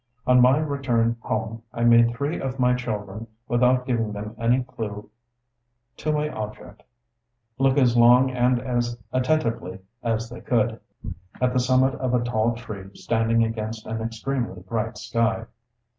On my return home I made three of my children, without giving them any clue to my object, look as long and as attentively as they could, at the summit of a tall tree standing against an extremely bright sky.